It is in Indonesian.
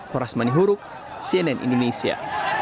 forasman huru cnn indonesia